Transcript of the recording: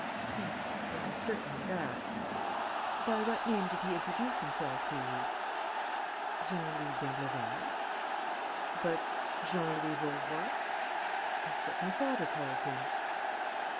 "Yes, there was certainly that." "By what name did he introduce himself to you?" "Jean Louis d'Imbleval." "But Jean Louis Vaurois?" "That's what my father calls him."